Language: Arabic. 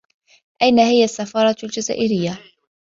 أين هي السّفارة الجزائريّة؟